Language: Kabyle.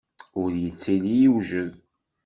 Ur yettili yewjed.